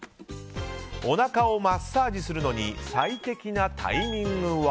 おなかをマッサージするのに最適なタイミングは。